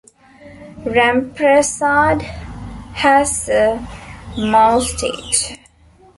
Ramprasad has a moustache.